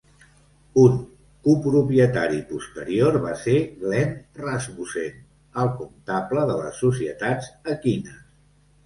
Un copropietari posterior va ser Glenn Rasmussen, el comptable de les societats equines.